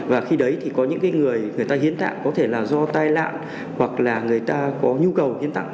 và khi đấy thì có những người người ta hiến tạng có thể là do tai nạn hoặc là người ta có nhu cầu hiến tặng